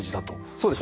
そうです。